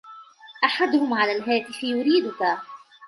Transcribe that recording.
أحدهم على الهاتف يريدك.